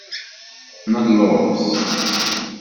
Nelluẓ.